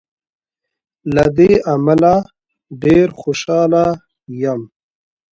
له دې امله ډېر خوشاله یم.